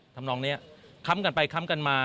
ทำนองนี้ค้ำกันไปค้ำกันมา